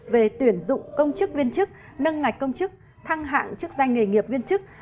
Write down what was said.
về tuyển dụng công chức viên chức nâng ngạch công chức thăng hạng chức danh nghề nghiệp viên chức